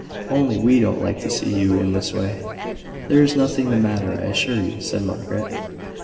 "Only we don't like to see you in this way." "There is nothing the matter, I assure you," said Margaret.